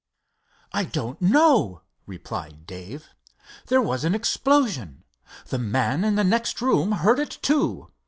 "I don't know," replied Dave. "There was an explosion. The man in the next room heard it, too.